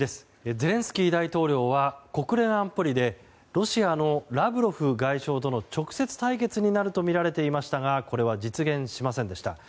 ゼレンスキー大統領は国連安保理でロシアのラブロフ外相との直接対決になるとみられていましたがこれは実現しませんでした。